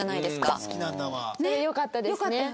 それよかったですね。